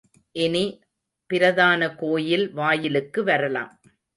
இனி பிரதான கோயில் வாயிலுக்கு வரலாம்.